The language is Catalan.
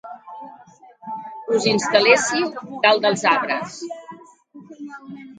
Us instal·lessiu dalt dels arbres.